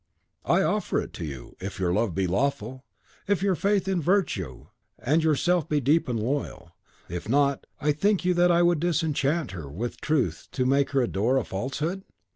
"I offer it to you, if your love be lawful, if your faith in virtue and yourself be deep and loyal; if not, think you that I would disenchant her with truth to make her adore a falsehood?"